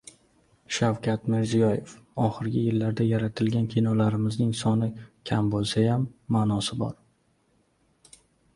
Shavkat Mirziyoyev: Oxirgi yillarda yaratilgan kinolarimizning soni kam bo‘lsayam, ma’nosi bor